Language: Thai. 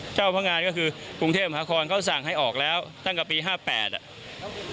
เจ้าพงานก็คือกรุงเทพมหาคลเขาสั่งให้ออกแล้วตั้งกับปีห้าแปดอ่ะ